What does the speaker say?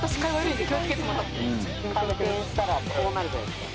・ほんと回転したらこうなるじゃないですか。